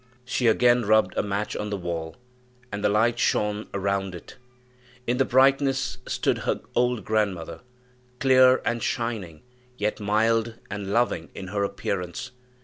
She again rubbed a match on the wall, and the light shone round her; in the brightness stood her old grandmother, clear and shining, yet mild and loving in her appearance.